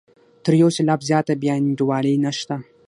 تر یو سېلاب زیاته بې انډولي نشته.